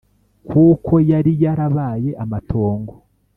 kuko yari yarabaye amatongo.